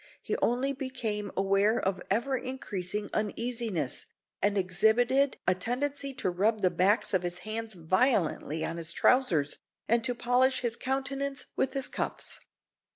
He only became aware of ever increasing uneasiness, and exhibited a tendency to rub the backs of his hands violently on his trousers, and to polish his countenance with his cuffs.